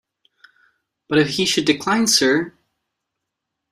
But if he should decline, sir?